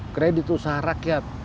kredit usaha rakyat